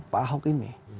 pak ahok ini